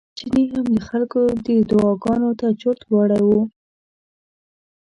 چيني هم د خلکو دې دعاګانو ته چورت وړی و.